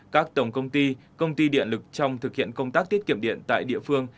các tổng công ty công ty điện lực trong thực hiện công tác tiết kiệm điện tại địa phương